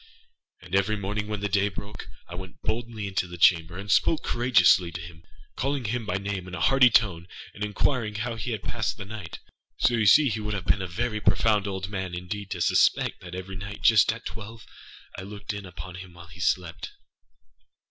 And every morning, when the day broke, I went boldly into the chamber, and spoke courageously to him, calling him by name in a hearty tone, and inquiring how he has passed the night. So you see he would have been a very profound old man, indeed, to suspect that every night, just at twelve, I looked in upon him while he slept.